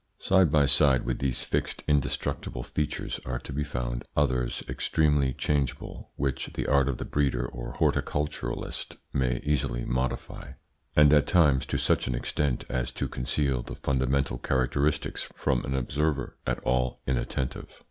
Side by side with these fixed, indestructible features are to be found others extremely changeable, which the art of the breeder or horticulturist may easily modify, and at times to such an extent as to conceal the fundamental characteristics from an observer at all inattentive.